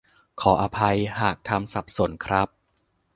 ขออภัยหากทำสับสนครับ